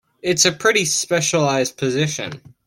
It's a pretty specialized position.